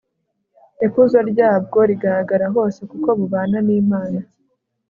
ikuzo ryabwo rigaragara hose. kuko bubana n'imana